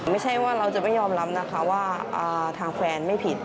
ไม่ใช่ว่าเราจะไม่ยอมรับนะคะว่าทางแฟนไม่ผิด